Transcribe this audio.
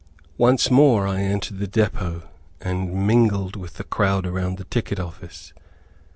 Once more I entered the depot, and mingled with the crowd around the ticket office.